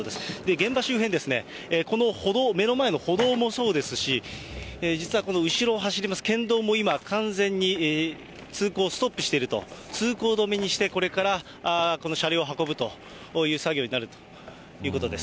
現場周辺ですね、この歩道、目の前の歩道もそうですし、実はこの後ろを走ります、県道も今、完全に通行をストップしていると、通行止めにしてこれからこの車両を運ぶという作業になるということです。